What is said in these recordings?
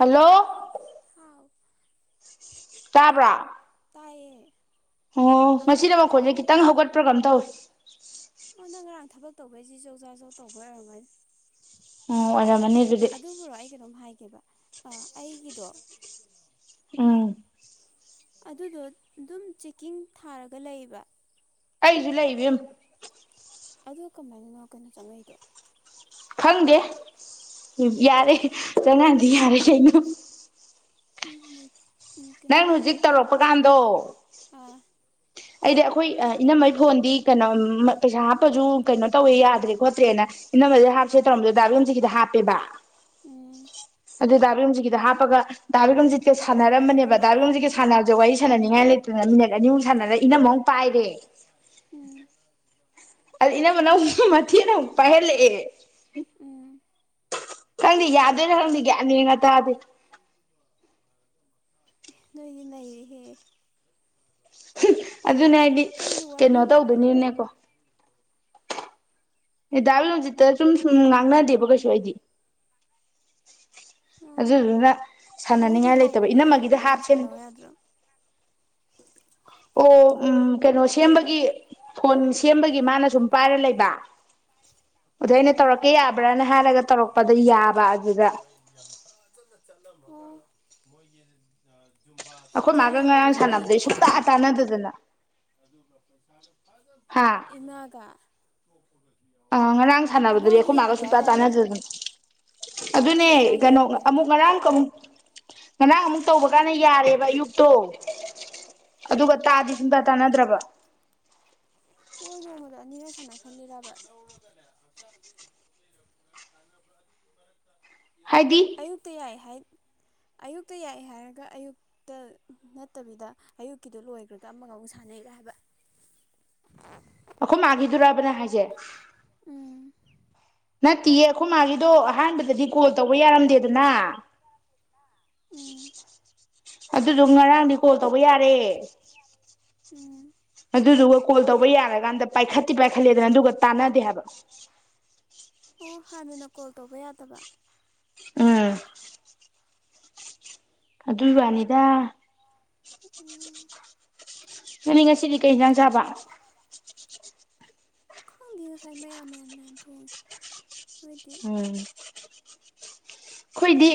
hello ꯍꯥꯎ ꯇꯥꯕ꯭ꯔꯥ ꯇꯥꯏꯌꯦ ꯑꯣ ꯉꯅ ꯃꯈꯣꯏꯁꯦ ꯈꯤꯇꯪ ꯍꯧꯒꯠꯄ꯭ꯔꯣ ꯀꯝ ꯇꯧ ꯑꯣꯗ ꯊꯕꯛ ꯇꯧꯕꯩꯁꯤ ꯌꯧ ꯆꯥ ꯆꯧ ꯇꯧꯕ ꯑꯣꯏꯔꯝꯃꯥꯏꯅ ꯎꯝ ꯑꯣꯝ ꯑꯗꯨꯕꯨꯔꯣ ꯑꯩ ꯀꯩꯅꯣꯝ ꯍꯥꯏꯒꯦꯕ ꯑꯩꯒꯤꯗꯣ ꯎꯝ ꯑꯗꯨꯗꯣ ꯑꯗꯨꯝ ꯆꯦꯛꯀꯤꯡ ꯊꯥꯔꯒ ꯂꯩꯕ ꯑꯩꯁꯨ ꯂꯩ ꯂꯩꯕꯤ ꯑꯦꯝ ꯑꯗ ꯀꯃꯥꯏꯅꯅꯣ ꯀꯩꯅꯣ ꯆꯪꯉꯛꯏꯗꯣ ꯈꯪꯗꯦ ꯌꯥꯔꯦ ꯆꯪꯉꯗꯤ ꯌꯥꯔꯦ ꯀꯩꯅꯣ ꯀꯩꯅꯣ ꯅꯪ ꯍꯧꯖꯤꯛ ꯇꯧꯔꯛꯄ ꯀꯥꯟꯗ ꯗꯣ ꯑ ꯑꯩꯗꯤ ꯑꯩꯈꯣꯏ ꯏꯅꯝꯝꯕꯩ ꯐꯣꯟꯗꯤ ꯀꯩꯅꯣ ꯄꯩꯁꯥ ꯍꯥꯞꯄꯁꯨ ꯀꯩꯅꯣ ꯇꯧꯋꯦ ꯌꯥꯗ꯭ꯔꯦ ꯈꯣꯠꯇ꯭ꯔꯦꯅ ꯏꯅꯝꯃꯗ ꯍꯥꯞꯁꯦ ꯇꯧꯔꯝꯗ ꯗꯥꯔꯨꯟꯖꯤꯠ ꯀꯤꯗ ꯍꯥꯞꯄꯦꯕ ꯎꯝ ꯑꯗꯨ ꯗꯥꯕꯤꯔꯅꯨꯡꯖꯤꯠꯀꯤꯗ ꯍꯥꯞꯄꯒ ꯗꯥꯕꯤꯔꯅꯨꯡꯖꯤꯠꯀ ꯁꯥꯟꯅꯔꯝꯕꯅꯦꯕ ꯗꯥꯕꯤꯔꯅꯨꯡꯖꯤꯠꯀ ꯁꯥꯟꯅꯕꯁꯦ ꯋꯥꯔꯤ ꯁꯥꯟꯅꯅꯤꯡꯉꯥꯏ ꯂꯩꯇꯅ ꯃꯤꯠ ꯑꯅꯤꯃꯨꯛ ꯁꯥꯟꯅꯔꯛꯏ ꯏꯅꯝꯃꯥ ꯃꯨꯛ ꯄꯥꯏꯔꯦ ꯎꯝ ꯏꯅꯝꯃꯅꯥ ꯃꯇꯦꯛ ꯑꯃꯥ ꯃꯨꯛ ꯄꯥꯏꯍꯂꯑꯦ ꯎꯝ ꯈꯪꯗꯤ ꯌꯥꯗꯣꯏꯅ ꯈꯪꯗ ꯒꯌ꯭ꯥꯟ ꯃꯦꯟꯒꯥ ꯇꯥꯗꯦ ꯅꯣꯏꯗꯤ ꯅꯩꯔꯦꯍꯦ ꯑꯗꯨꯅꯦ ꯍꯥꯏꯗꯤ ꯀꯩꯅꯣ ꯋꯥꯔꯤꯕꯨ ꯀꯩꯅꯣ ꯇꯧꯗꯣꯏꯅꯤꯅꯀꯣ ꯍꯗꯥꯕꯤ ꯍꯧꯖꯤꯠꯇ ꯁꯨꯝ ꯁꯨꯝ ꯉꯥꯡꯅꯗꯦꯕ ꯀꯩꯁꯨ ꯑꯩꯗꯤ ꯑꯣ ꯑꯗꯨꯗꯨꯅ ꯑꯗꯨꯗꯤ ꯁꯥꯟꯅꯅꯤꯡꯉꯥꯏ ꯂꯩꯇꯕ ꯍꯧꯕꯗꯩ ꯏꯔꯝꯃꯒ ꯏꯅꯝꯃꯒꯤꯗ ꯑꯗꯨꯝ ꯍꯥꯞꯁꯦ ꯁꯥꯟꯅꯧ ꯌꯥꯗ꯭ꯔꯣ ꯑꯣ ꯎ ꯀꯩꯅꯣ ꯁꯦꯝꯕꯒꯤ ꯐꯣꯟ ꯁꯦꯝꯕꯒꯤ ꯃꯥꯅ ꯁꯨꯝ ꯄꯥꯏꯔ ꯂꯩꯕ ꯑꯗꯨꯗ ꯑꯩꯅ ꯇꯧꯔꯛꯀꯦ ꯌꯥꯕ꯭ꯔꯥꯅ ꯍꯥꯏꯔꯒ ꯇꯧꯔꯛꯄꯗ ꯌꯥꯕ ꯑꯗꯨꯗ ꯃꯣꯏꯒꯤ ꯃꯣꯏ ꯑꯩꯈꯣꯏ ꯇꯨꯏ ꯃꯥꯒ ꯉꯔꯥꯡ ꯍꯧꯕꯗꯒꯤ ꯁꯥꯟꯅꯕꯗꯩ ꯁꯨꯡꯇꯥ ꯇꯥꯟꯅꯗꯗꯅ ꯍꯥ [unintelligible] ꯏꯃꯥꯒ [inaudible] ꯑ ꯉꯔꯥꯡ ꯁꯥꯟꯅꯕꯗꯗꯤ ꯏꯃꯥꯒꯤ ꯑꯩꯈꯣꯏ ꯃꯥꯒ ꯌꯥꯗꯦ ꯁꯇꯥ ꯍꯥꯏꯗꯥꯏꯅꯦ ꯅꯪꯕꯣ ꯇꯥꯟꯅꯗꯗꯅ ꯑꯗꯨꯅꯦ ꯅꯪꯕꯨ ꯏꯃꯥꯒꯤ ꯀꯩꯅꯣ ꯌꯥꯗꯦ ꯑꯃꯨꯛ ꯍꯥꯏꯗꯥꯏꯅꯦ ꯉꯔꯥꯡ ꯀ ꯉꯔꯥꯡ ꯑꯃꯨꯛ ꯇꯧꯕ ꯀꯥꯟꯗ ꯌꯥꯔꯦꯕ ꯑꯌꯨꯛꯇꯣ ꯑꯗꯨꯒ ꯎꯝ ꯇꯥꯗꯤ ꯁꯤꯡ ꯇꯥꯟꯅꯗ꯭ꯔꯕ ꯍꯣꯏ ꯃꯣꯡꯃꯗ ꯑꯅꯤꯔ ꯁꯥꯟꯅ ꯁꯥꯟꯅꯤꯔꯕ ꯍꯥꯏꯗꯤ ꯑꯌꯨꯛꯇ ꯌꯥꯏ ꯍꯥꯏ ꯑꯌꯨꯛꯇ ꯌꯥꯏꯑꯦ ꯍꯥꯏꯔꯒ ꯑꯌꯨꯛꯇ ꯅꯠꯇꯕꯤꯗ ꯑꯌꯨꯛꯀꯤꯗꯨ ꯂꯣꯏꯈ꯭ꯔꯒ ꯑꯃꯒ ꯑꯃꯨꯛ ꯁꯥꯟꯅꯩꯔ ꯍꯥꯏꯕ ꯑꯩꯈꯣꯏ ꯃꯥꯈꯤꯗꯔꯕꯅꯦ ꯍꯥꯏꯁꯦ ꯎꯝ ꯅꯠꯇꯦꯌꯦ ꯑꯩꯈꯣꯏ ꯃꯥꯒꯤꯗꯣ ꯑꯍꯥꯟꯕꯗꯗꯤ ꯀꯣꯜ ꯇꯧꯕ ꯌꯥꯔꯝꯗꯦꯗꯅ ꯎꯝ ꯑꯗꯨꯗꯣ ꯉꯔꯥꯡꯗꯤ ꯀꯣꯜ ꯇꯧꯕ ꯌꯥꯔꯦ ꯎꯝ ꯑꯗꯨꯗꯨꯒ ꯀꯣꯜ ꯇꯧꯕ ꯌꯥꯔꯀꯥꯟꯗ ꯄꯥꯏꯈꯠꯇꯦ ꯄꯥꯏꯈꯠꯂꯦꯗꯅ ꯑꯗꯨꯒ ꯇꯥꯟꯅꯗꯦ ꯍꯥꯏꯕ ꯑꯣ ꯍꯥꯟꯅꯅ ꯀꯣꯜ ꯇꯧꯕ ꯌꯥꯗꯕ ꯑꯝ ꯑꯗꯨꯏꯋꯥꯅꯤꯗ ꯎ ꯅꯪꯅꯤ ꯉꯁꯤꯗꯤ ꯀꯩ ꯌꯦꯟꯁꯥꯡ ꯆꯥꯕ ꯈꯪꯗꯦ ꯉꯁꯥꯏ ꯃꯌꯥꯝ ꯃꯌꯥꯝ ꯃꯌꯥꯝ ꯊꯣꯡꯉꯤ ꯎꯝ ꯑꯩꯈꯣꯏꯗꯤ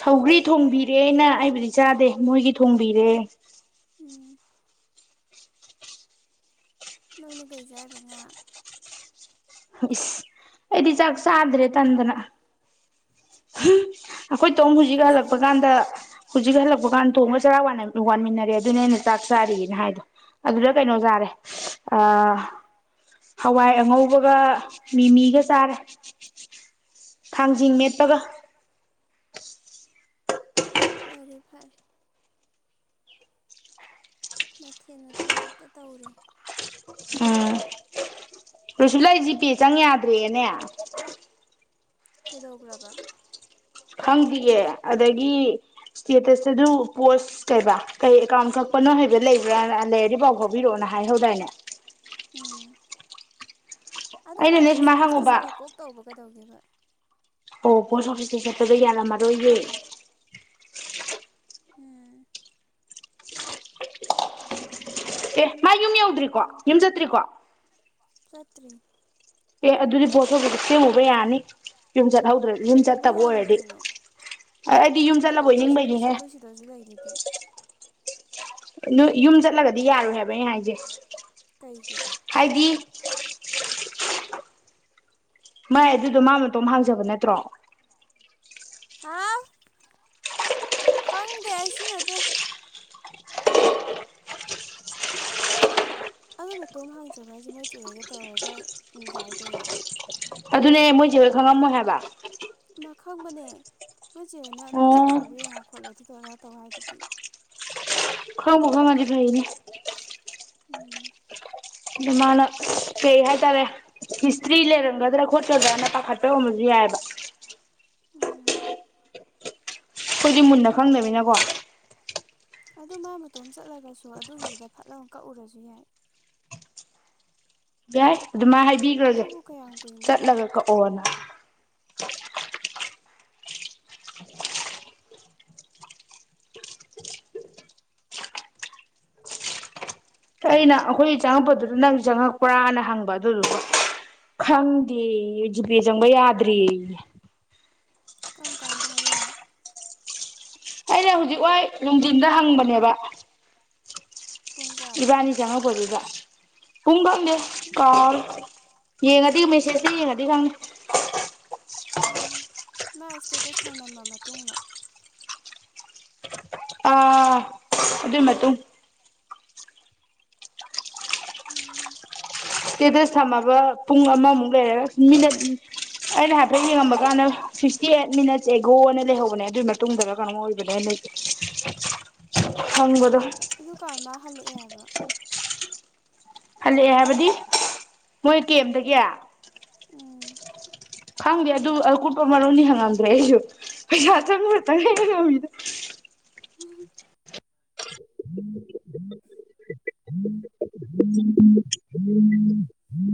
ꯁꯧꯒ꯭ꯔꯤ ꯊꯣꯡꯕꯤꯔꯦꯅ ꯑꯩꯕꯨꯗꯤ ꯆꯥꯗꯦ ꯃꯣꯏꯒꯤ ꯊꯣꯡꯕꯤꯔꯦ ꯎꯝ ꯅꯪꯅ ꯀꯩ ꯆꯥꯏꯕ ꯉꯥ ꯏꯁ ꯑꯩꯗꯤ ꯆꯥꯛ ꯆꯥꯗ꯭ꯔꯦ ꯇꯟꯗꯅ ꯑꯩꯈꯣꯏ ꯇꯣꯝ ꯍꯧꯖꯤꯛ ꯅꯪꯁꯦ ꯍꯜꯂꯛꯄ ꯀꯥꯟꯗ ꯍꯧꯖꯤꯛ ꯍꯜꯂꯛꯄ ꯀꯥꯟꯗ ꯊꯣꯝꯒ ꯆꯔꯥ ꯋꯥꯟꯃꯤꯟꯅꯔꯦ ꯑꯗꯨꯅ ꯍꯦꯟꯅ ꯆꯥꯛ ꯆꯥꯔꯤꯌꯦꯅ ꯍꯥꯏꯗꯣ ꯑꯗꯨꯗ ꯀꯩꯅꯣ ꯆꯥꯔꯦ ꯍꯋꯥꯏ ꯑꯉꯧꯕꯒ ꯃꯤꯃꯤꯒ ꯆꯔꯦ ꯊꯥꯡꯖꯤꯡ ꯎꯝ ꯃꯦꯠꯄꯒ ꯐꯔꯦ ꯐꯔꯦ ꯃꯊꯦꯜ ꯃꯊꯦꯜ ꯍꯦꯛꯇ ꯇꯧꯔꯦ ꯀꯨꯁꯨ ꯂꯩ ꯖꯤ ꯄ‌ꯦ ꯆꯪ ꯌꯥꯗ꯭ꯔ‌ꯦꯅꯦ ꯀꯩꯗꯧꯒ꯭ꯔꯕ ꯈꯪꯗꯤꯌ‌ꯦ ꯑꯗꯒꯤ ꯏꯁꯇꯦꯇꯁꯇꯁꯨ ꯄꯣꯁ ꯀꯩꯕ ꯀꯩ ꯑꯦꯀꯥꯎꯟ ꯀꯛꯄꯅꯣ ꯍꯥꯏꯕ ꯂꯩꯕ꯭ꯔꯥꯅ ꯂꯩꯔꯗꯤꯐꯥꯎ ꯐꯥꯎꯕꯤꯔꯛꯑꯣꯅ ꯍꯥꯏꯍꯧꯗꯥꯏꯅꯦ ꯑꯗ‌ꯣ ꯃꯥ ꯑꯩꯅꯅꯦ ꯄꯣꯁ ꯁꯨꯃꯥꯏꯅ ꯑꯣꯐꯤꯁꯇ ꯍꯪꯉꯨꯕ ꯆꯠꯂ ꯀꯣꯛ ꯇꯧꯕ ꯀꯩꯗꯧꯒꯦꯕ ꯑꯣ ꯄꯣꯁ ꯑꯣꯐꯤꯁꯇ ꯆꯠꯄꯗ ꯌꯥꯔꯝꯃꯔꯣꯏꯌꯦ ꯎꯝ ꯑꯦ ꯃꯥ ꯌꯨꯝ ꯌꯧꯗ꯭ꯔꯤꯀꯣ ꯌꯨꯝ ꯆꯠꯇ꯭ꯔꯤꯀꯣ ꯆꯠꯇ꯭ꯔꯤ ꯑꯦ ꯑꯗꯨꯗꯤ ꯄꯣꯁ ꯑꯣꯐꯤꯁꯇ ꯁ‌ꯦꯝꯃꯨꯕ ꯌꯥꯅꯤ ꯍꯧꯗ꯭ꯔ ꯌꯨꯝ ꯀꯩꯗꯧꯕ ꯆꯠꯇꯕ ꯑꯣꯏꯔꯗꯤ ꯌꯥꯔꯣꯏꯗꯣꯏꯅꯣ ꯑꯩꯗꯤ ꯌꯨꯝ ꯑꯗꯣ ꯆꯠꯂꯕ‌ꯣꯏ ꯄꯣꯁ ꯑꯣꯐꯤꯁ ꯅꯤꯡꯕꯩꯅꯤꯍꯦ ꯑꯩꯈꯣꯏ ꯁꯤꯗꯁꯨ ꯂꯩꯗꯨꯗꯤ ꯅꯣꯏ ꯌꯨꯝ ꯆꯠꯂꯒꯗꯤ ꯌꯥꯔꯣꯏ ꯍꯥꯏꯕ ꯑꯩ ꯍꯥꯏꯁꯦ ꯀꯩꯒꯤ [unintelligible] ꯃꯥꯏ ꯑꯗꯨꯗꯣ ꯃꯥ ꯃꯇꯣꯝ ꯍꯥꯡꯖꯕ ꯅꯠꯇ꯭ꯔꯣ ꯍꯥꯎ ꯈꯪꯗꯦ ꯑꯩꯁꯨ ꯁꯤꯟꯅꯗ‌ꯦ ꯑꯗ‌ꯣ ꯃꯇꯣꯝ ꯍꯥꯡꯖꯕ ꯍꯥꯏꯁꯦ ꯃꯣꯏ ꯆꯦ ꯍ‌ꯣꯏꯒ ꯇꯧꯔꯒ ꯌꯥꯏ ꯀꯩꯅꯣ ꯑꯗꯨꯅꯦ ꯃꯣꯏ ꯆ‌ꯦ ꯍꯣꯏ ꯈꯪꯉꯝꯃꯣꯏ ꯍꯥꯏꯕ ꯃꯥ ꯈꯪꯕꯅꯦ ꯃꯣꯏꯆꯦ ꯍ‌ꯣꯏꯅ ꯑꯣ ꯄꯩꯁꯥ ꯆꯪꯕ꯭ꯔ ꯌꯦꯡꯉꯣ ꯈꯣꯠꯂꯣ ꯑꯗꯨꯗ ꯑꯗꯥ ꯇꯧ ꯍꯥꯏꯗꯨꯗꯤ ꯈꯕꯨ ꯈꯪꯉꯗꯤ ꯐꯩꯅ‌ꯦ ꯎꯝ ꯑꯗ ꯃꯥꯅ ꯀꯩ ꯍꯥꯏꯇꯥꯔꯦ ꯍꯤꯁꯇ꯭ꯔꯤ ꯂꯩꯔꯝꯒꯗ꯭ꯔꯥ ꯈꯣꯠꯀꯗ꯭ꯔꯅ ꯄꯥꯈꯠꯄꯩ ꯑꯣꯏꯔꯝꯕꯁꯨ ꯌꯥꯏꯑꯕ ꯎꯝ ꯑꯩꯈꯣꯏꯗꯤ ꯃꯨꯟꯅ ꯈꯪꯗꯝꯅꯤꯅꯀꯣ ꯑꯗꯨ ꯃꯥ ꯃꯇꯣꯝ ꯆꯠꯂꯒꯁꯨ ꯑꯗꯨꯒꯤꯗꯨꯗ ꯐꯠꯂ ꯀꯛꯎꯔꯁꯨ ꯌꯥꯏ ꯌꯥꯏ ꯑꯗꯨꯃꯥꯏꯅ ꯍꯥꯏꯕꯤꯈ꯭ꯔꯒꯦ ꯑꯗꯨꯕꯨ ꯀꯌꯥꯝ ꯀꯨꯏꯅ ꯆꯠꯂꯒ ꯊꯕꯛꯅꯣ ꯀꯛꯑꯣꯅ ꯑꯩꯅ ꯑꯩꯈꯣꯏ ꯆꯪꯉꯛꯄꯗꯨꯗ ꯅꯪ ꯆꯪꯉꯛꯄ꯭ꯔꯥꯅ ꯍꯪꯕ ꯑꯗꯨꯗꯨꯒ ꯈꯪꯗꯦ ꯖꯤꯄꯦ ꯆꯪꯕ ꯌꯥꯗ꯭ꯔ‌ꯦꯌ‌ꯦ ꯀꯔꯝ ꯀꯥꯟꯗ ꯍꯥꯏꯔꯛꯏꯅꯣ ꯑꯩꯅ ꯍꯧꯖꯤꯛ ꯋꯥꯏ ꯅꯨꯡꯗꯤꯟꯗ ꯍꯪꯕꯅꯦꯕ ꯄꯨꯡ ꯀꯌꯥꯗ ꯏꯕꯅꯤ ꯆꯪꯉꯛꯄꯗꯩꯗ ꯄꯨꯡ ꯀꯪꯗꯦ ꯀꯥꯎ ꯌꯦꯡꯉꯗꯤ ꯃꯦꯁꯦꯁꯇ ꯌꯦꯡꯉꯗꯤ ꯈꯪꯅꯤ ꯎꯝ ꯃꯥ ꯏꯁꯇꯦꯇꯁ ꯊꯝꯂꯝꯃ ꯃꯇꯨꯡꯗ ꯑ ꯑꯗꯨ ꯃ ꯎ ꯁꯇꯦꯇꯁ ꯊꯝꯃꯕ ꯄꯨꯡ ꯑꯃꯃꯨꯛ ꯂꯩꯔꯒ ꯃꯤꯅꯠ ꯑꯩꯅ ꯍꯥꯏꯐꯦꯠ ꯌꯦꯡꯉꯝꯕ ꯀꯥꯟꯗ ꯁꯤꯛꯁꯇꯤ ꯑꯩꯠ ꯃꯤꯅꯠꯁ ꯑꯦꯒꯣꯅ ꯂꯩꯍꯧꯕꯅꯦ ꯑꯗꯨꯒꯤ ꯃꯇꯨꯡꯗꯒ ꯀꯩꯅꯣꯃ ꯑꯣꯏꯕꯅꯦ ꯑ ꯂꯩꯇꯦ ꯎꯝ ꯑꯗꯨꯀꯥꯟ ꯃꯥ ꯍꯜꯂꯛꯑꯦ ꯍꯥꯏꯕ ꯍꯜꯂꯛꯑꯦ ꯍꯥꯏꯕꯗꯤ ꯃꯣꯏ ꯀꯦꯝꯗꯒꯤ ꯎꯝ ꯈꯪꯗꯦ ꯑꯗꯨ ꯑꯀꯨꯞꯄ ꯃꯔꯣꯅꯤ ꯍꯪꯉꯝꯗ꯭ꯔꯦ ꯑꯩꯁꯨ ꯄꯩꯁꯥ ꯆꯪꯕꯇꯪ ꯉꯃꯤꯗ ꯎꯝ ꯎꯝ ꯎꯝ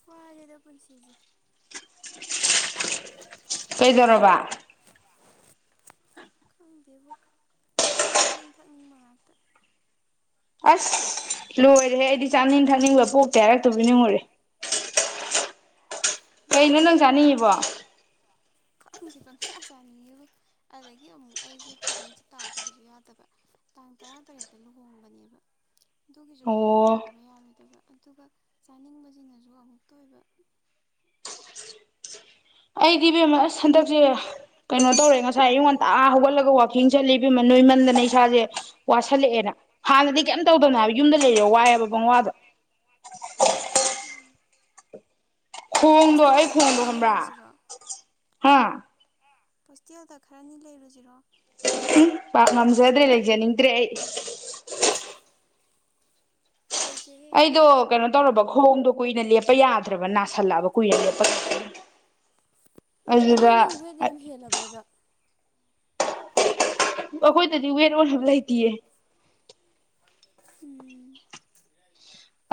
ꯄꯨꯋꯥꯗ ꯄꯨꯟꯁꯤꯁꯦ ꯀꯩꯗꯧꯣꯔꯣꯕ ꯈꯪꯗꯦꯕꯣ ꯆꯥꯅꯤꯡ ꯊꯛꯅꯤꯡꯕꯥꯛꯛꯇ ꯑꯁ ꯂꯣꯏ ꯑꯣꯏꯔ ꯍꯦꯗꯤ ꯆꯥꯅꯤꯡ ꯊꯛꯅꯤꯡꯕ ꯄꯣꯛ ꯀꯦ ꯍꯥꯏꯔꯛꯇꯨꯕꯤꯅꯤꯡꯉꯨꯔꯦ ꯀꯩꯅꯣ ꯅꯪ ꯆꯥꯅꯤꯡꯉꯤꯕꯣ ꯄꯪꯁꯥ ꯆꯥꯅꯤꯡꯉꯦꯕ ꯑꯗꯒꯤ ꯑꯃꯨꯛ ꯑꯩꯁꯦ ꯐꯤꯒꯔꯁꯦ ꯇꯥꯗꯕꯁꯨ ꯌꯥꯗꯕ ꯇꯥꯡ ꯇꯔꯥꯇꯔꯦꯠꯇ ꯂꯨꯍꯣꯡꯕꯅꯦꯕ ꯑꯗꯨꯒꯤꯁꯨ ꯑꯣ ꯐꯤꯒꯔ ꯇꯥꯗꯕ ꯌꯥꯔꯣꯏꯗꯕ ꯑꯗꯨꯒ ꯆꯥꯅꯤꯡꯕꯁꯤꯅꯁꯨ ꯑꯃꯨꯛꯇ ꯑꯣꯏꯕ ꯑꯩ ꯏꯕꯦꯝꯃ ꯑꯁ ꯍꯟꯗꯛꯁꯦ ꯀꯩꯅꯣ ꯇꯧꯔꯦ ꯉꯁꯥꯏ ꯑꯩꯌꯉ ꯉꯣꯟꯇꯥ ꯍꯧꯒꯠꯂꯒ ꯋꯥꯋꯥꯛꯀꯤꯡ ꯆꯠꯂꯤꯃ ꯅꯣꯏꯃꯟꯗꯅ ꯏꯁꯥꯁꯦ ꯋꯥꯁꯜꯂꯛꯑꯦꯅ ꯍꯥꯟꯅꯗꯤ ꯀꯩꯝ ꯇꯧꯗꯕꯅꯦ ꯍꯥꯏꯕ ꯌꯨꯝꯗ ꯂꯩꯔ ꯋꯥꯏꯑꯦꯕ ꯄꯕꯪꯋꯥꯗꯣ ꯈꯣꯡꯗꯣ ꯑꯩ ꯍꯣꯁꯇꯦꯜꯗ ꯈꯣꯡꯗꯣ ꯈꯔꯅꯤ ꯈꯕ꯭ꯔꯥ ꯂꯩꯔꯨꯁꯤꯔꯣ ꯍꯥ ꯍꯣꯁꯇꯦꯜꯗ ꯈꯔꯅꯤ ꯂꯩꯔꯨꯁꯤꯔꯣ ꯎ ꯄ ꯅꯝꯖꯗ꯭ꯔꯦ ꯂꯩꯖꯅꯤꯡ ꯏꯗ꯭ꯔꯦ ꯂꯩꯁꯦꯍꯦ ꯑꯩꯗꯣ ꯀꯩꯅꯣ ꯇꯧꯔꯕ ꯈꯑꯣꯣꯡꯗꯣ ꯀꯨꯏꯅ ꯂꯦꯞꯄ ꯌꯥꯗ꯭ꯔꯕ ꯅꯥꯁꯤꯜꯂꯛꯑꯕ ꯀꯨꯏꯅ ꯂꯦꯞꯄ ꯑꯗꯨ ꯑꯗꯨꯗ ꯅꯪ ꯋꯦꯠ ꯌꯥꯝ ꯍꯦꯜꯂꯕꯕ ꯑꯩꯈꯣꯏꯗꯗꯤ ꯋꯦꯟ ꯑꯣꯅꯕ ꯂꯩꯇꯌꯦ ꯎꯝ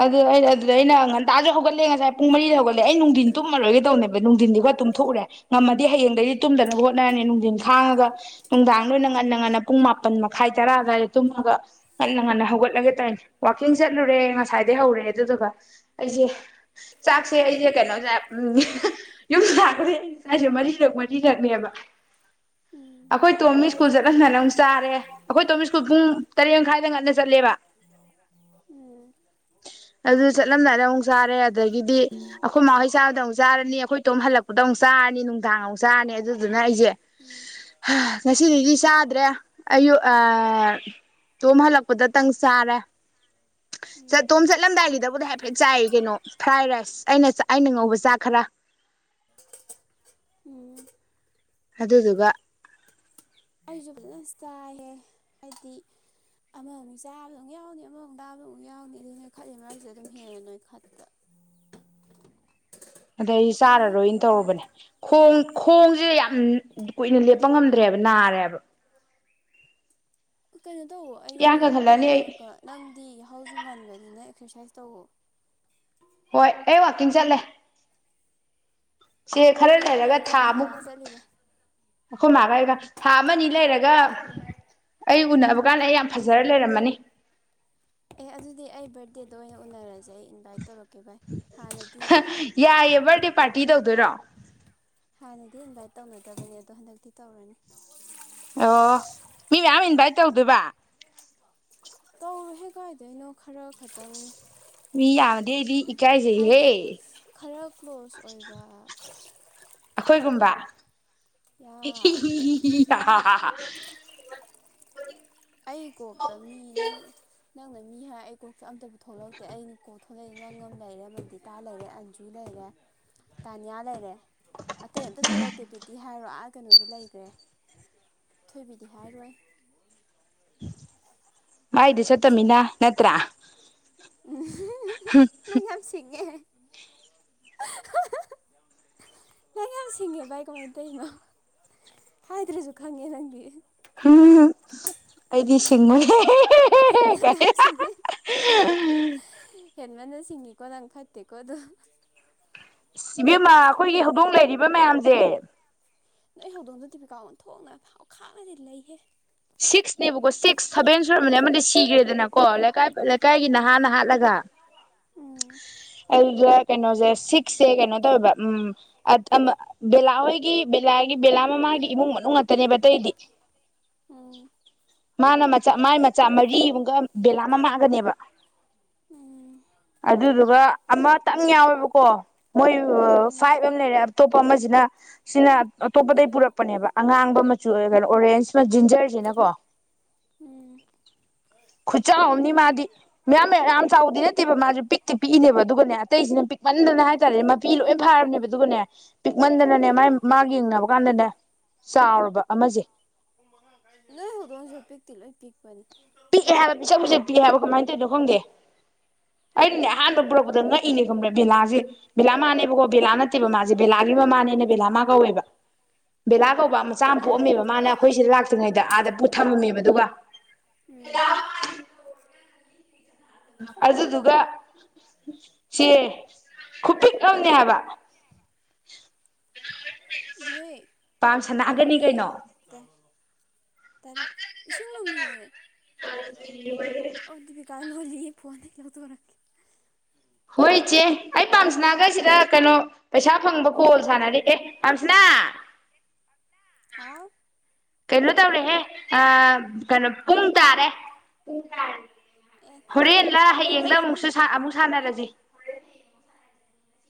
ꯑꯗꯨ ꯑꯩꯅ ꯑꯗꯨꯗ ꯑꯩꯅ ꯉꯟꯇꯥꯁꯨ ꯍꯧꯒꯠꯂꯦ ꯉꯁꯥꯏ ꯄꯨꯡ ꯃꯔꯤꯗ ꯍꯧꯒꯠꯂꯦ ꯑꯩ ꯅꯨꯡꯊꯤꯟ ꯇꯨꯝꯃꯔꯣꯏꯒꯦ ꯇꯧꯅꯦꯕ ꯅꯨꯡꯊꯤꯟꯗꯤꯒ ꯇꯨꯝꯊꯣꯛꯎꯔꯦ ꯉꯝꯃꯗꯤ ꯍꯌꯦꯡꯗꯒꯤꯩꯗꯤ ꯇꯨꯝꯗꯅꯕ ꯍꯣꯠꯅꯔꯅꯤ ꯅꯨꯡꯊꯤꯟ ꯈꯥꯡꯉꯒ ꯅꯨꯡꯗꯥꯡꯗꯣꯏꯅ ꯉꯟꯅ ꯉꯟꯅ ꯄꯨꯡ ꯃꯥꯄꯟ ꯃꯈꯥꯏ ꯇꯔꯥ ꯑꯗꯨꯋꯥꯏꯗ ꯇꯨꯝꯃꯒ ꯉꯟꯅ ꯉꯟꯅ ꯍꯧꯒꯠꯂꯒꯦ ꯇꯧꯔꯅꯤ ꯋꯥꯀꯤꯡ ꯆꯠꯂꯨꯔꯦ ꯉ ꯉꯥꯏꯗꯩ ꯍꯧꯔꯦ ꯑꯗꯨꯗꯨꯒ ꯑꯩꯁꯦ ꯆꯥꯛꯁꯦ ꯑꯩꯁꯦ ꯀꯩꯅꯣꯁꯦ ꯌꯨꯝꯗ ꯂꯥꯛꯄꯗꯩ ꯑꯩ ꯆꯥꯛꯁꯦ ꯃꯔꯤꯔꯛ ꯃꯔꯤꯈꯛꯅꯦꯕ ꯎꯝ ꯑꯩꯈꯣꯏ ꯇꯣꯝ ꯁ꯭ꯀꯨꯜ ꯑꯩꯁꯨꯅꯦꯕꯨ ꯆꯠꯂꯟꯟꯅꯅꯦ ꯑꯃꯨꯛ ꯆꯥꯔꯦ ꯑꯩꯈꯣꯏ ꯇꯣꯝꯃꯤ ꯁ꯭ꯀꯨꯜ ꯄꯨꯡ ꯇꯔꯦꯠꯃ ꯃꯈꯥꯏꯗ ꯉꯟꯅ ꯆꯠꯂꯦꯕ ꯎꯝ ꯑꯗꯨ ꯆꯠꯂꯝꯗꯥꯅ ꯑꯃꯨꯛ ꯆꯥꯔꯦ ꯑꯗꯒꯤꯗꯤ ꯑꯩꯈꯣꯏ ꯃꯈꯍꯩ ꯆꯥꯕꯗ ꯑꯃꯨꯛ ꯆꯥꯔꯅꯤ ꯑꯩꯈꯣꯏ ꯇꯣꯝ ꯍꯜꯂꯛꯄꯗ ꯑꯃꯨꯛ ꯆꯥꯔꯅꯤ ꯅꯨꯡꯗꯥꯡ ꯑꯃꯨꯛ ꯆꯥꯔꯅꯤ ꯑꯗꯨꯗꯨꯅ ꯑꯩꯁꯦ ꯎꯝ ꯉꯁꯤꯗꯒꯤꯩꯗꯤ ꯆꯥꯗ꯭ꯔꯦ ꯑꯌꯨꯛ ꯑ ꯇꯣꯝ ꯍꯜꯂꯛꯄꯗꯇꯪ ꯆꯥꯔꯦ ꯎꯝ ꯆꯠꯇꯣꯝ ꯆꯠꯂꯝꯗꯥꯏꯒꯤꯗꯕꯨꯗꯤ ꯍꯥꯏꯐꯦꯠ ꯆꯥꯏ ꯀꯩꯅꯣ ꯐ꯭ꯔꯥꯏ ꯔꯥꯏꯁ ꯑꯩꯅ ꯑꯩꯅ ꯉꯧꯕ ꯆꯥꯛ ꯈꯔ ꯎꯝ ꯑꯗꯨꯗꯨꯒ ꯑꯩꯁꯨ ꯐꯖꯅ ꯆꯥꯏꯍꯦ ꯍꯥꯏꯗꯤ ꯑꯃꯃ ꯑꯃꯨꯛ ꯆꯥꯕꯗꯨꯛ ꯌꯥꯎꯅꯤ ꯑꯃꯃꯨꯛ ꯇꯥꯕꯗ ꯑꯃꯨꯛ ꯌꯥꯎꯅꯤ ꯑꯗꯨꯅ ꯈꯠꯂꯤ ꯃꯔꯁꯨ ꯑꯗꯨꯝ ꯍꯦꯟꯉ ꯅꯣꯏ ꯈꯠꯄ ꯑꯗꯩ ꯆꯥꯔꯔꯣꯏꯅ ꯐꯤꯒꯔꯒꯇꯤ ꯇꯧꯔꯨꯔꯕꯅꯦ ꯈꯣꯡ ꯈꯣꯡꯁꯤꯦ ꯌꯥꯝ ꯀꯨꯏꯅ ꯂꯦꯞꯄ ꯉꯝꯗ꯭ꯔꯦꯕ ꯅꯥꯔꯦꯕ ꯀꯩꯅꯣ ꯇꯧꯋ ꯑꯌꯨꯛ ꯏꯌꯥꯡ ꯑꯌꯨꯛ ꯀꯪꯈꯠꯂꯅꯤ ꯑꯩ ꯍꯧꯒꯠꯂꯒ ꯅꯪꯗꯤ ꯏꯍꯥꯎꯁꯨ ꯉꯟꯕꯅꯤꯅ ꯑꯦꯛꯁꯔꯁꯥꯏꯁ ꯇꯧꯋꯣ ꯍꯣꯏ ꯑꯩ ꯋꯥꯀꯤꯡ ꯆꯠꯂꯦ ꯁꯦ ꯈꯔ ꯐꯩ ꯂꯩꯔꯒ ꯐꯩ ꯊꯥ ꯀꯅꯥ ꯑꯃꯨꯛ ꯀꯅꯥ ꯆꯠꯂꯤꯕ ꯍꯣꯏ ꯃꯥꯒꯒ ꯊꯥ ꯑꯃ ꯂꯩꯔꯒ ꯑꯩ ꯎꯅꯕ ꯀꯥꯟꯗ ꯑꯩ ꯌꯥꯝ ꯐꯖꯔ ꯂꯩꯔꯝꯃꯅꯤ ꯑꯦ ꯑꯗꯨꯗꯤ ꯑꯩ ꯕꯥꯔꯠꯗꯦꯗ ꯑꯣꯏꯅ ꯎꯅꯔꯁꯦ ꯑꯩ ꯏꯟꯚꯥꯏꯠ ꯇꯧꯔꯛꯀꯦ ꯚꯥꯏ ꯍꯥꯟꯅꯗꯤ ꯌꯥꯏꯌꯦꯦ ꯕꯥꯔꯗꯦ ꯄꯥꯔꯇꯤ ꯇꯧꯗꯣꯏꯔꯣ ꯍꯥꯟꯅꯗꯤ ꯏꯟꯚꯥꯏꯠ ꯇꯧꯅꯗꯕꯅꯦ ꯑꯗꯣ ꯍꯟꯗꯛꯇꯤ ꯇꯧꯔꯅꯤ ꯑꯣ ꯃꯤ ꯃꯌꯥꯝ ꯏꯟꯚꯥꯏ ꯇꯧꯗꯣꯏꯕ ꯇꯧꯔ ꯍ ꯀ ꯍꯥꯏꯗꯣꯏꯅꯣ ꯈꯔ ꯈꯆꯧ ꯃꯤ ꯌꯥꯝꯃꯗꯤ ꯑꯩꯗꯤ ꯏꯀꯥꯏꯖꯩꯍꯦ ꯍꯥꯏꯗꯤ ꯈꯔ ꯀ꯭ꯂꯣꯁ ꯑꯣꯏꯕ ꯒꯨꯝꯕ ꯌꯥ [inaudible] ꯑ ꯍꯥ ꯑꯩ ꯀꯣꯛꯇ ꯃꯤ ꯅꯪ ꯅꯪꯅ ꯃꯤ ꯍꯥꯏ ꯑꯩ ꯀꯣꯛꯇ ꯑꯝꯇꯕꯨ ꯊꯣꯛꯂꯛꯇꯦ ꯑꯩꯅ ꯀꯣꯛ ꯊꯣꯛꯂꯛꯏꯦ ꯅꯪ ꯑꯃ ꯂꯩꯔꯦ ꯃꯇꯤꯇꯥ ꯂꯩꯔꯦ ꯑꯟꯖꯨ ꯂꯩꯔꯦ ꯇꯥꯅꯤꯌꯥ ꯂꯩꯔꯦ ꯑꯇꯩ ꯑꯝꯇ ꯊꯣꯛꯂꯛꯇꯦ ꯄꯕꯤꯇꯤ ꯍꯥꯏꯔꯣ ꯑꯁ ꯀꯩꯅꯣꯗꯤ ꯂꯩꯈ꯭ꯔꯦ ꯊꯣꯏꯕꯤꯗꯤ ꯍꯥꯏꯔꯣꯏ ꯃꯥꯏꯗꯤ ꯆꯠꯇꯃꯤꯅ ꯅꯠꯇ꯭ꯔꯥ ꯎꯝ ꯅꯪ ꯌꯥꯝꯁꯤꯦ ꯅꯪ ꯌꯥꯝ ꯁꯤꯡꯉꯦ ꯚꯥꯏ ꯀꯃꯥꯏꯅ ꯇꯧꯔꯤꯅꯣ ꯍꯥꯏꯗ꯭ꯔꯁꯨ ꯈꯪꯉꯦ ꯅꯪꯗꯤ ꯎꯝ ꯑꯩꯗꯤ ꯁꯤꯡꯅ [inaudible] [inaudible] ꯃꯅ ꯁꯤꯁꯤꯡꯉ ꯀꯣꯅꯥꯅ ꯐꯠꯇꯦ ꯀꯣ ꯑꯗꯨꯣ ꯁꯤꯕꯦꯝꯃ ꯑꯩꯈꯣꯏꯒꯤ ꯍꯧꯗꯣꯡ ꯂꯩꯔꯤꯕ ꯃꯌꯥꯝꯁꯦ ꯅꯣꯏ ꯍꯧꯗꯣꯡꯗ ꯇꯤ ꯄꯤꯀꯥ ꯑꯣꯟ ꯊꯣꯛꯣꯡꯅ ꯈꯥꯡꯅꯗꯤ ꯂꯩꯍꯦ ꯁꯤꯛꯁꯅꯦꯕꯀꯣ ꯁꯤꯛꯁ ꯁꯚꯦꯟ ꯁꯝꯕꯅꯦ ꯑꯃꯗꯤ ꯁꯤꯈ꯭ꯔꯦ ꯗꯅ ꯀꯣ ꯂꯩꯀꯥꯏ ꯂꯩꯀꯥꯏꯒꯤ ꯎꯝ ꯅꯍꯥ ꯅ ꯍꯥꯠꯂꯒ ꯎꯝ ꯑꯗꯨꯗ ꯀꯩꯅꯣꯁꯦ ꯁꯤꯛꯁꯁꯦ ꯀꯩꯅꯣ ꯇꯧꯋꯦꯕ ꯎꯝ ꯕꯂꯥ ꯍꯣꯏꯒꯤ ꯕꯦꯂꯥꯒꯤ ꯕꯦꯂꯥ ꯃꯃꯥꯒꯤ ꯏꯃꯨꯡ ꯃꯅꯨꯡ ꯅꯨꯡ ꯉꯥꯛꯇꯅꯦꯕ ꯑꯇꯩꯗꯤ ꯎꯝ ꯃꯥꯅ ꯃꯆꯥ ꯃꯥꯥꯏ ꯃꯆꯥ ꯃꯔꯤꯃꯨꯛꯒ ꯕꯦꯂꯥ ꯑꯃ ꯃꯥꯡꯒꯅꯦꯕ [inaudible] ꯎꯝ ꯑꯗꯨꯗꯨꯒ ꯑꯃꯇꯪ ꯌꯥꯎꯋꯦꯕꯀꯣ ꯃꯣꯏ ꯐꯥꯏꯚ ꯑꯝ ꯂꯩꯔꯦ ꯑꯇꯣꯞꯄ ꯑꯃꯁꯤꯅ ꯁꯤꯅ ꯑꯇꯣꯞꯄꯗꯒꯩ ꯄꯨꯔꯛꯄꯅꯦꯕ ꯑꯉꯥꯡꯕ ꯃꯆꯨ ꯑꯣꯏꯔꯒꯅ ꯑꯣꯔꯦꯟꯖ ꯁ ꯖꯤꯟꯖꯔꯁꯤꯅꯀꯣ ꯎꯝ ꯎꯝ ꯈꯨꯆꯥꯎ ꯑꯝꯅꯤ ꯃꯥꯗꯤ ꯃꯌꯥꯝ ꯃ ꯌꯥꯝ ꯆꯥꯎꯗꯤ ꯅ ꯃꯥ ꯇꯤꯛ ꯄꯤꯛꯏꯅꯦꯕ ꯑꯗꯨꯒꯅꯦ ꯑꯇꯩꯁꯤꯅ ꯄꯤꯛꯃꯟꯗꯅ ꯎꯝ ꯍꯥꯏꯇꯥꯔꯦ ꯃꯄꯤ ꯂꯣꯏ ꯐꯥꯔꯕꯅꯦꯕ ꯑꯗꯨꯒꯅꯦ ꯄꯤꯛꯃꯟꯗꯅꯅꯦ ꯎꯝ ꯃꯥ ꯃꯥꯒ ꯌꯦꯡꯅꯕ ꯀꯥꯟꯗꯅꯦ ꯆꯥꯎꯔꯕ ꯑꯃꯁꯦ ꯐꯅꯤ ꯄꯤꯛꯑꯦ ꯍꯥꯏꯕ ꯄꯤꯁꯛ ꯄꯤꯁꯛ ꯄꯤꯛꯑꯦ ꯍꯥꯏꯕ ꯀꯃꯥꯏꯅ ꯇꯧꯔꯤꯅꯣ ꯈꯪꯒꯦ ꯑꯩꯅꯅꯦ ꯑꯍꯥꯟꯕ ꯄꯨꯔꯛꯄꯗ ꯉꯛꯏꯅꯦ ꯈꯪ꯭ꯔꯦ ꯕꯦꯂꯥꯁꯦ ꯄꯤꯂꯝ ꯃꯥꯅꯦꯕꯣ ꯕꯦꯂꯥ ꯅꯠꯇꯦꯕ ꯃꯥꯁꯦ ꯕꯦꯂꯥꯒꯤ ꯃꯃꯥꯅꯦꯅ ꯕꯦꯂꯥ ꯃꯥ ꯀꯧꯋꯦꯕ ꯕꯦꯂꯥ ꯎꯝ ꯀꯧꯕ ꯃꯆꯥ ꯑꯃ ꯄꯣꯛꯑꯝꯃꯦꯕ ꯃꯥꯅ ꯑꯩꯈꯣꯏ ꯁꯤꯗ ꯂꯥꯛꯇ꯭ꯔꯤꯉꯩꯗ ꯑꯥꯗ ꯄꯨꯠ ꯊꯝꯃꯝꯃꯦꯕ ꯑꯗꯨꯒ ꯎꯝ ꯑꯗꯨꯗꯨꯒ ꯁꯤ ꯈꯨꯄꯤꯛ ꯑꯃꯅꯦ ꯍꯥꯏꯕ ꯅꯣꯏ [inaudible] ꯄꯥꯝ ꯁꯅꯥꯒꯅꯤ ꯀꯩꯅꯣ ꯇꯅꯤ ꯏꯁꯤꯡ ꯂꯨꯝꯃꯤꯌꯦ ꯆꯥ ꯁꯦꯝꯃꯛꯑꫭ ꯑꯣ ꯗꯤꯕꯤꯀꯥ ꯍꯜꯂꯣ ꯂꯤ ꯐꯣꯟꯗꯩ ꯂꯧꯊꫭꯔꯛꯀꯦ ꯍꯣꯏ ꯏꯆꯦ ꯑꯩ ꯄꯥꯝꯁꯅꯥꯒꯁꯤꯗ ꯀꯩꯅꯣ ꯄꯩꯁꯥ ꯐꯪꯕ ꯀꯣꯜ ꯁꯥꯟꯅꯔꯤꯌꯦ ꯄꯥꯝꯁꯅꯥ ꯍꯥꯎ ꯀꯩꯅꯣ ꯇꯧꯔꯦꯍꯦ ꯑ ꯀꯩꯅꯣ ꯄꯨꯡ ꯇꯥꯔꯦ ꯄꯨꯡ ꯇꯥꯔꯦ ꯑꯦ ꯍꯣꯔꯦꯟꯂꯥ ꯊꯝꯃꯨꯔꯣ ꯍꯌꯦꯡꯂ ꯑꯗꯨꯗꯤ ꯑꯃꯨꯛꯁꯨ ꯑꯃꯨꯛ ꯁꯥꯟꯅꯔꯁꯤ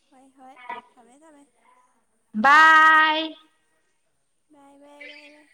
ꯍꯣꯏ ꯍꯣꯏ ꯊꯝꯃꯦ ꯊꯝꯃꯦ ꯕꯥꯏ ꯕꯥꯏ ꯕꯥꯏ ꯕꯥꯏ ꯕꯥꯏ